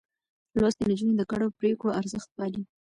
لوستې نجونې د ګډو پرېکړو ارزښت پالي.